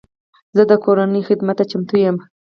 زه د کورنۍ خدمت ته چمتو یم.